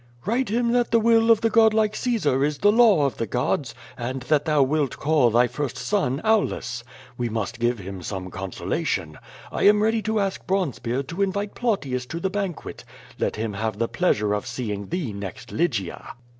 "Write him that the will of the god like Caesar is the law of the gods, and that thou wilt call thy first son Aulus. Wo must give him some consolation. I am ready to ask Bronze beard to invite Plautius to the banquet. Let him have the pleasure of seeing thee next Lygia!'